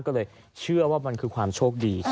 ก็เลยเชื่อว่ามันคือความโชคดี